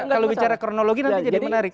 kalau bicara kronologi nanti jadi menarik